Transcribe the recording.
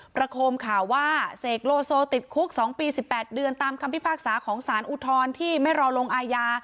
โคมข่าวว่าเสกโลโซติดคุก๒ปี๑๘เดือนตามคำพิพากษาของสารอุทธรณ์ที่ไม่รอลงอาญา